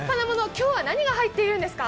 今日は何が入っているんですか？